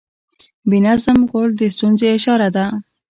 بې نظم غول د ستونزې اشاره ده.